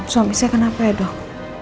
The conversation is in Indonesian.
suami saya kenapa ya dok